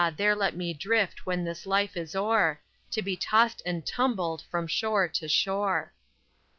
there let me drift when this life is o'er, To be tossed and tumbled from shore to shore!